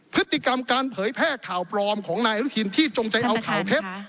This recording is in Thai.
พฤติกรรมการเผยแพร่ข่าวปลอมของนายอนุทินที่จงใจเอาข่าวเท็จ